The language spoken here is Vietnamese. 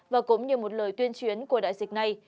và cũng như một lời tuyên truyền của đại dịch này